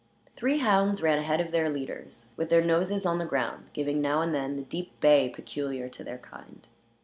Three hounds ran ahead of the leaders, with their noses on the ground, giving now and then the deep bay peculiar to their kind.